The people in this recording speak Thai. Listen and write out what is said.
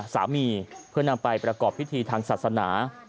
สามีเพื่อนำไปประกอบพิธีทางศาสนา